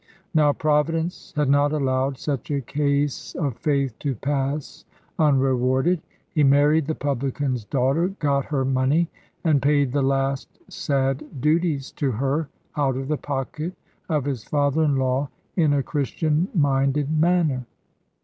Now Providence had not allowed such a case of faith to pass unrewarded. He married the publican's daughter, got her money, and paid the last sad duties to her, out of the pocket of his father in law, in a Christian minded manner.